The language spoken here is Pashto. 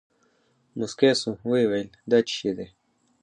موسکى سو ويې ويل دا چي شې دي.